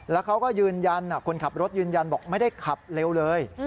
แล้วเขาก็ยืนยันคนขับรถยืนยันบอกไม่ได้ขับเร็วเลย